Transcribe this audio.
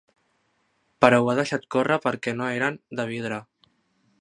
, però ho he deixat córrer perquè no eren de vidre.